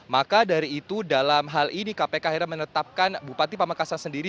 maka dari itu dalam hal ini kpk akhirnya menetapkan bupati pamekasan sendiri